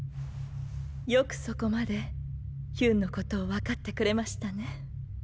よくそこまでヒュンのことを分かってくれましたね。